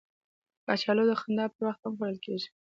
کچالو د خندا پر وخت هم خوړل کېږي